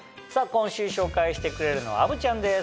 今週紹介してくれるのは虻ちゃんです